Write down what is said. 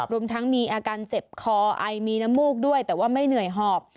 รวมทั้งมีอาการเจ็บคอไอมีน้ำมูกด้วยแต่ว่าไม่เหนื่อยหอบ